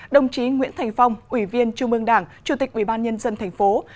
đồng chí nguyễn thành phong ủy viên trung mương đảng chủ tịch ubnd tp hcm